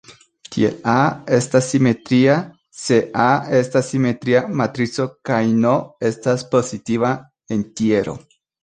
Tiel "A" estas simetria se "A" estas simetria matrico kaj "n" estas pozitiva entjero.